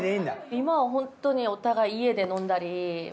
今はホントにお互い家で飲んだり。